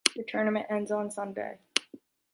The tournament ends on Sunday.